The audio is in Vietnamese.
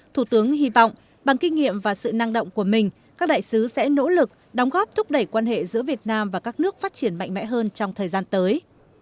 thủ tướng hy vọng bằng kinh nghiệm và sự năng động của mình các đại sứ sẽ nỗ lực đóng góp thúc đẩy quan hệ giữa việt nam và các nước phát triển mạnh mẽ hơn trong thời gian tới